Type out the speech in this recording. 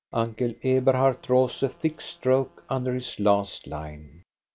Uncle Eberhard draws a thick stroke under his last line.